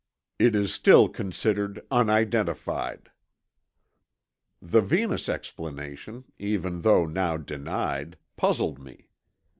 "It is still considered 'Unidentified.' The Venus explanation, even though now denied, puzzled me.